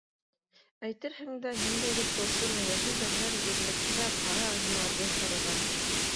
Әйтерһең дә, ниндәйҙер тылсым эйәһе зәңгәр ерлеккә ҡара ынйыларҙы һырыған...